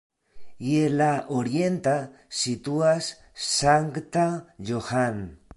Je la orienta situas Sankta Johann.